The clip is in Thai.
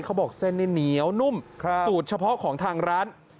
เขาบอกเส้นนี้เหนียวนุ่มสูตรเฉพาะของทางร้าน